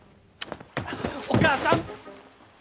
お母さん！